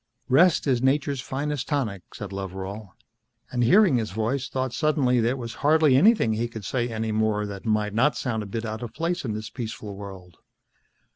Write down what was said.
"Rest is nature's finest tonic," said Loveral, and hearing his voice thought suddenly there was hardly anything he could say any more that might not sound a bit out of place in this peaceful world.